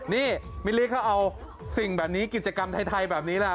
นี่มิลลี่เขาเอาสิ่งแบบนี้กิจกรรมไทยแบบนี้แหละ